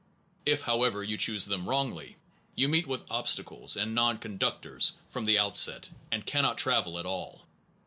If, how ever, you choose them wrongly, you meet with obstacles and non conductors from the outset, and cannot travel at all.